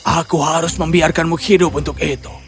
aku harus membiarkanmu hidup untuk itu